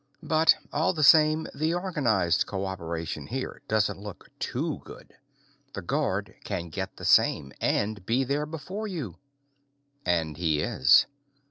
But all the same, the organized cooperation here doesn't look too good. The guard can get the same and be there before you. And he is.